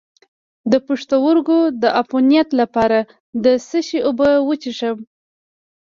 د پښتورګو د عفونت لپاره د څه شي اوبه وڅښم؟